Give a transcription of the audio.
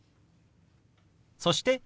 そして「日」。